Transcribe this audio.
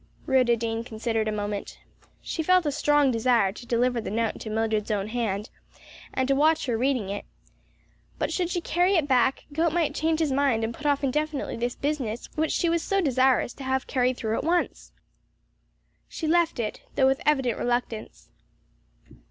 Rhoda Jane considered a moment. She felt a strong desire to deliver the note into Mildred's own hand, and to watch her while reading it; but should she carry it back Gote might change his mind and put off indefinitely this business which she was so desirous to have carried through at once. She left it, though with evident reluctance.